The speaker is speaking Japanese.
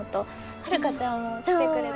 遥ちゃんも来てくれて。